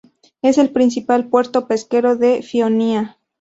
Es el principal puerto pesquero de Fionia.